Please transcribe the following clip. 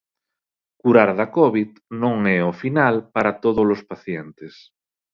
Curar da Covid non é o final para todos os pacientes.